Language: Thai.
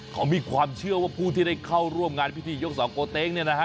เขามีความเชื่อว่าผู้ที่ได้เข้าร่วมงานพิธียกเสาโกเต๊งเนี่ยนะฮะ